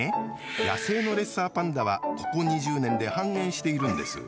野生のレッサーパンダはここ２０年で半減しているんです。